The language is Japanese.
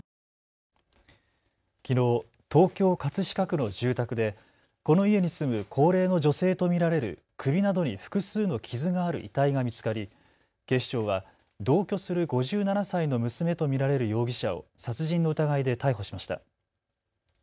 きのう東京葛飾区の住宅でこの家に住む高齢の女性と見られる首などに複数の傷がある遺体が見つかり警視庁は同居する５７歳の娘と見られる容疑者を殺人の疑いで逮捕しました。